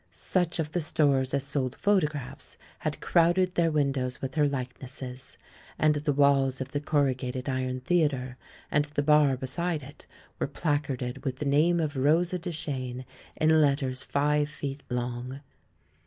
Such of the stores as sold photographs had crowded their windows with her likenesses, and the walls of the corrugated iron theatre, and the bar be side it were placarded with the name of Rosa Duchene in letters five feet long.